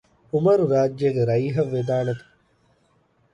އުމަރު ރާއްޖޭގެ ރައީހަށް ވެދާނެތަ؟